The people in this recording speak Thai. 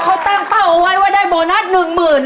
เขาตั้งเป้าเอาไว้ว่าได้โบนัส๑๐๐๐บาท